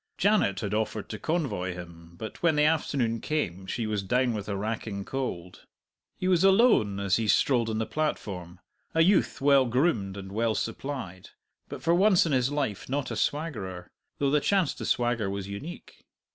Janet had offered to convoy him, but when the afternoon came she was down with a racking cold. He was alone as he strolled on the platform a youth well groomed and well supplied, but for once in his life not a swaggerer, though the chance to swagger was unique.